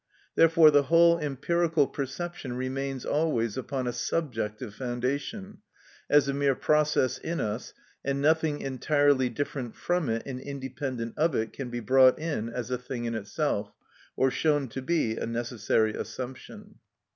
Therefore the whole empirical perception remains always upon a subjective foundation, as a mere process in us, and nothing entirely different from it and independent of it can be brought in as a thing in itself, or shown to be a necessary assumption.